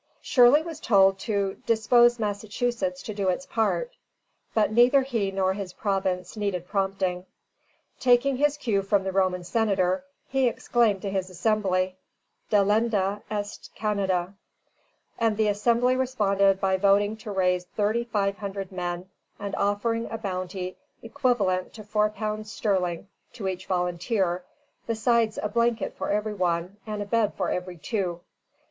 Shirley was told to "dispose Massachusetts to do its part;" but neither he nor his province needed prompting. Taking his cue from the Roman senator, he exclaimed to his Assembly, "Delenda est Canada;" and the Assembly responded by voting to raise thirty five hundred men, and offering a bounty equivalent to £4 sterling to each volunteer, besides a blanket for every one, and a bed for every two.